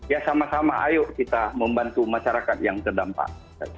ya sama sama ayo kita membantu masyarakat yang terdampak